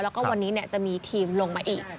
แล้วก็วันนี้จะมีทีมลงมาอีก